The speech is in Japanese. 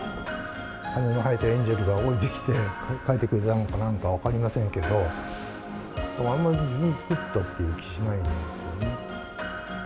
羽の生えたエンジェルが降りてきて、書いてくれたのかなのか、分かりませんけど、でもあんまり自分で作ったって気がしないんですよね。